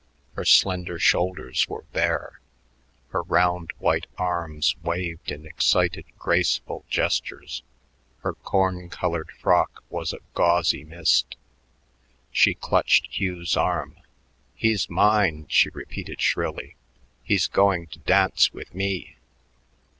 Her slender shoulders were bare; her round white arms waved in excited, graceful gestures; her corn colored frock was a gauzy mist. She clutched Hugh's arm. "He's mine," she repeated shrilly. "He's going to dance with me."